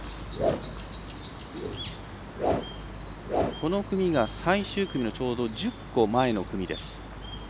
この組が最終組のちょうど１０個前の組。